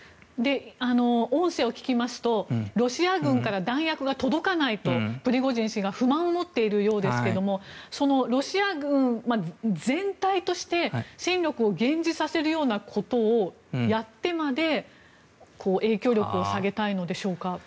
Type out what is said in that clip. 音声を聞きますとロシア軍から弾薬が届かないと、プリゴジン氏が不満を持っているようですがそのロシア軍全体として戦力を減じさせるようなことをやってまで、影響力を下げたいのでしょうか。